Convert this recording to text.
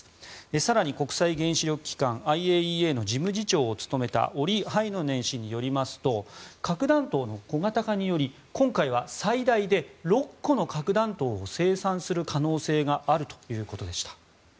更に国際原子力機関・ＩＡＥＡの事務次長を務めたオリ・ハイノネン氏によりますと核弾頭の小型化により今回は最大で６個の核弾頭を生産する可能性があるということでした。